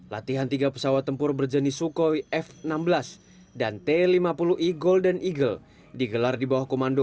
latihan tiga pesawat tempur berjenis sukhoi f enam belas dan t lima puluh i golden eagle digelar di bawah komando